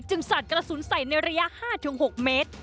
สัดกระสุนใส่ในระยะ๕๖เมตร